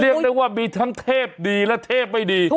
เรียกได้ว่ามีทั้งเทพดีและเทพไม่ดี